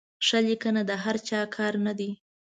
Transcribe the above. ښه لیکنه د هر چا کار نه دی.